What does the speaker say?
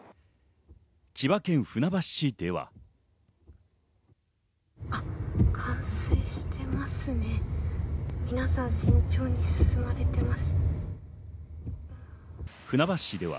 千葉県船橋市では。